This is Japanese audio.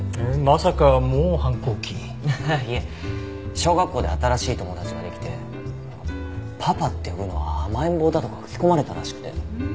小学校で新しい友達ができてパパって呼ぶのは甘えん坊だとか吹き込まれたらしくて。